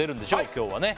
今日はね